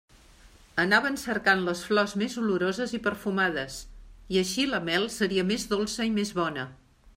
Anaven cercant les flors més oloroses i perfumades, i així la mel seria més dolça i més bona.